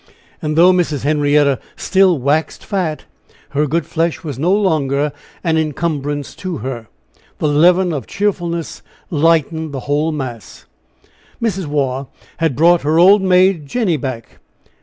And though Mrs. Henrietta still "waxed fat," her good flesh was no longer an incumbrance to her the leaven of cheerfulness lightened the whole mass. Mrs. Waugh had brought her old maid Jenny back.